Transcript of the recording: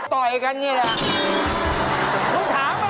ต่อยกันนี่แหละ